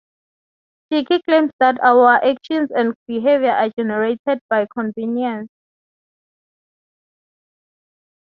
Shirky claims that our actions and behavior are generated by convenience.